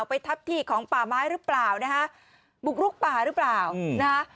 ไปทับที่ของป่าไม้หรือเปล่านะฮะบุกลุกป่าหรือเปล่านะฮะ